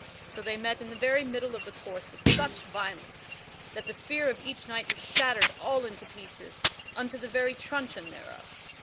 So they met in the very middle of the course with such violence that the spear of each knight was shattered all into pieces unto the very truncheon thereof.